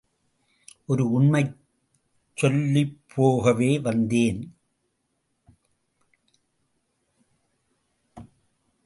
ஒரு உண்மையைச் சொல்லிப் போகவே வந்தேன்.